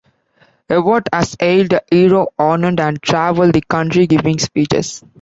Ewart was hailed a hero, honoured, and travelled the country giving speeches.